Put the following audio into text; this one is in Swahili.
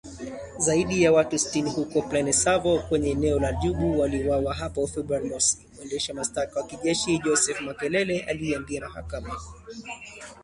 zaidi ya watu sitini huko Plaine Savo kwenye eneo la Djubu waliuawa hapo Februari mosi mwendesha mashtaka wa kijeshi Joseph Makelele aliiambia mahakama.